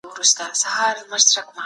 پاڼې غورځي او بیا زرغونېږي.